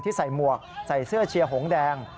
ใส่หมวกใส่เสื้อเชียร์หงแดง